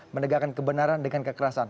menegakkan kebenaran dengan kekerasan